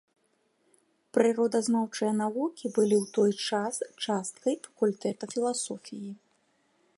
Прыродазнаўчыя навукі былі ў той час часткай факультэта філасофіі.